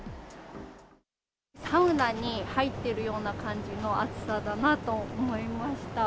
サウナに入ってるような感じの暑さだなと思いました。